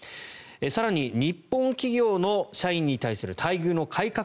更に日本企業の社員に対する待遇の改革